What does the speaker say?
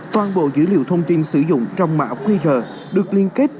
toàn bộ dữ liệu thông tin sử dụng trong mã qr được liên kết